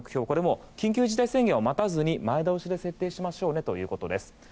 これも緊急事態宣言を待たずに前倒しで設定しましょうということです。